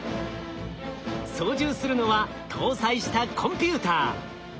操縦するのは搭載したコンピューター。